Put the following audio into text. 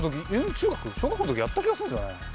中学？小学校の時やった気がするんですよね。